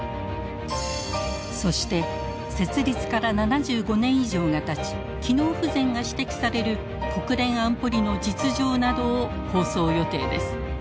そして設立から７５年以上がたち機能不全が指摘される国連安保理の実情などを放送予定です。